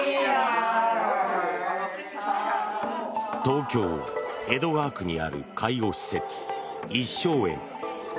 東京・江戸川区にある介護施設一笑苑。